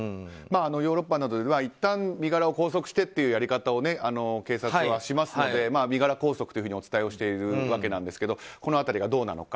ヨーロッパなどではいったん身柄を拘束してというやり方を警察はしますので、身柄拘束とお伝えしているんですがこの辺りがどうなのか。